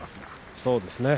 そうですね。